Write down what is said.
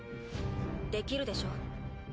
できるでしょ？